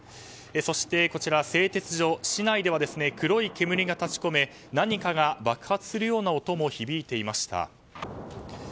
そして製鉄所、市内では黒い煙が立ち込め何かが爆発するような音も響いていました。